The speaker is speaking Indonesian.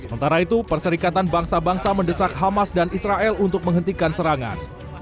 sementara itu perserikatan bangsa bangsa mendesak hamas dan israel untuk menghentikan serangan